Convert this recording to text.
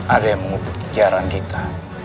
ada yang mengutuk kejaran kita